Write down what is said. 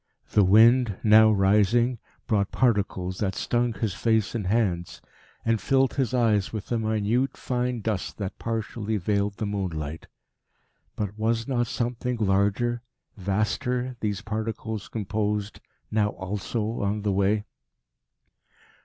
The wind, now rising, brought particles that stung his face and hands, and filled his eyes with a minute fine dust that partially veiled the moonlight. But was not something larger, vaster these particles composed now also on the way?